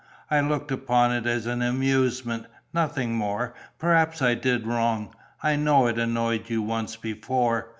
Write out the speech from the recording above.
I looked upon it as an amusement, nothing more. Perhaps I did wrong; I know it annoyed you once before.